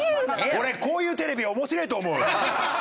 俺こういうテレビ面白えと思う。